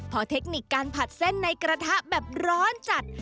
พอเทคนิคการผัดเส้นในกระทะแบบร้อนจัด